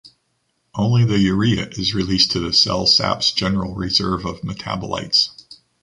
Only the urea is released to the cell sap’s general reserve of metabolites.